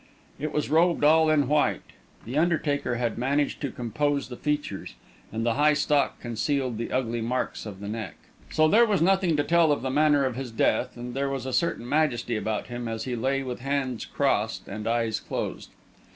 It was robed all in white. The undertaker had managed to compose the features, and the high stock concealed the ugly marks upon the neck. So there was nothing to tell of the manner of his death, and there was a certain majesty about him as he lay with hands crossed and eyes closed.